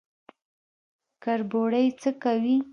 کربوړی څه کوي؟